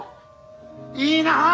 いいなあ！